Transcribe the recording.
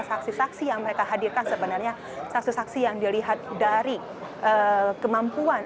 karena saksi saksi yang mereka hadirkan sebenarnya saksi saksi yang dilihat dari kemampuan